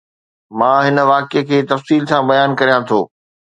مان هن واقعي کي تفصيل سان بيان ڪريان ٿو